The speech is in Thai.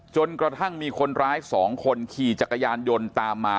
จนกระทั่งมีคนร้าย๒คนขี่จักรยานยนต์ตามมา